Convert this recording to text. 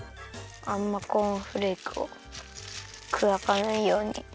あんまコーンフレークをくだかないように。